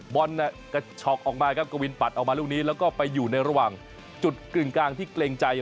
บอลน่ะกระฉอกออกมาครับกวินปัดออกมาลูกนี้แล้วก็ไปอยู่ในระหว่างจุดกึ่งกลางที่เกรงใจ